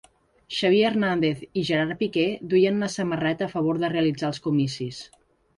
Xavi Hernández i Gerard Piqué duien una samarreta a favor de realitzar els comicis